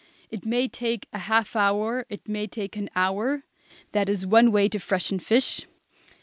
It may take a half hour, it may take an hour. That is one way to freshen fish.